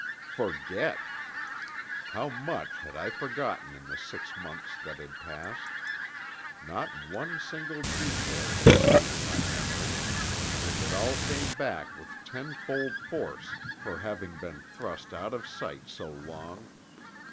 Forget! How much had I forgotten in the six months that had passed? Not one single detail had escaped my memory and it all came back with tenfold force for having been thrust out of sight so long.